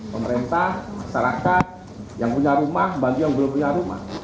pemerintah masyarakat yang punya rumah bagi yang belum punya rumah